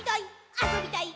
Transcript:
あそびたい！」